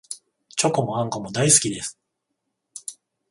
チョコもあんこも大好きです